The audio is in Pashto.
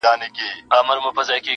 د زمان بلال به کله، کله ږغ کي!